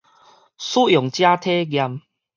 使用者體驗